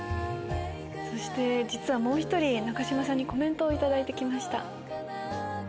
そして実はもう一人中島さんにコメントを頂いて来ました。